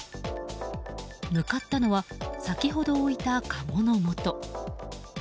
向かったのは、先ほど置いたかごのもと。